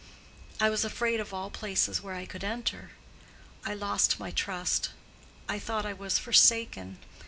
And I was afraid of all places where I could enter. I lost my trust. I thought I was forsaken.